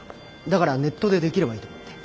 だからネットでできればいいと思って。